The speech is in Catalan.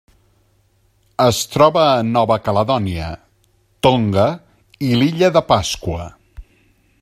Es troba a Nova Caledònia, Tonga i l'Illa de Pasqua.